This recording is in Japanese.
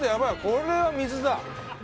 これは水だ。